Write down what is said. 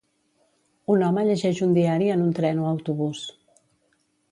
Un home llegeix un diari en un tren o autobús.